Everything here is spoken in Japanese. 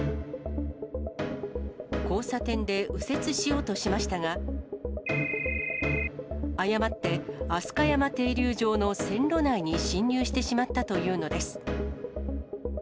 交差点で右折しようとしましたが、誤って飛鳥山停留場の線路内に進入してしまったというのです。